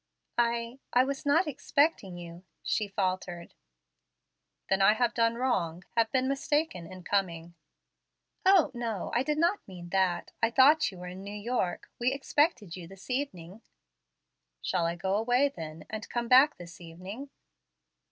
"I I was not expecting you," she faltered. "Then I have done wrong have been mistaken in coming." "O, no; I did not mean that. I thought you were in New York. We expected you this evening." "Shall I go away then, and come back this evening?"